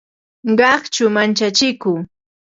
Qaqchu manchachiku